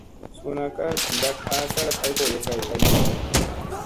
Suuna ka ndak a calat ay kolo kay ɦinira ɗi.